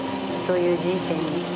そういう人生に。